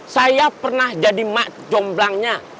saya pernah jadi mak jomblangnya